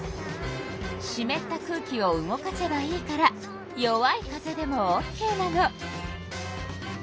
しめった空気を動かせばいいから弱い風でもオッケーなの。